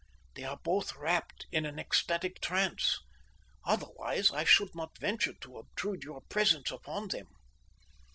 They are both wrapped in an ecstatic trance, otherwise I should not venture to obtrude your presence upon them.